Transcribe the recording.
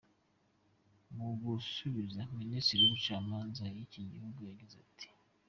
Mu gusubiza, minisiteri y'ubucamanza y'iki gihugu yagize iti:.